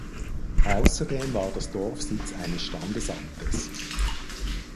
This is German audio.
Außerdem war das Dorf Sitz eines Standesamtes.